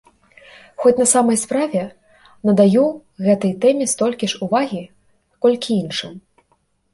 Хоць, на самай справе, надаю гэтай тэме столькі ж увагі, колькі іншым.